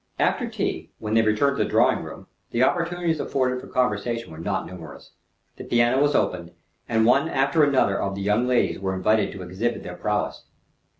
After tea, when they returned to the drawing room, the opportunities afforded for conversation were not numerous. The piano was opened, and one after another of the young ladies were invited to exhibit their prowess.